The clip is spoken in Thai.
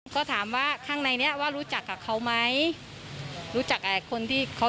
ก็ถามว่าข้างในเนี้ยว่ารู้จักกับเขาไหมรู้จักกับคนที่เขา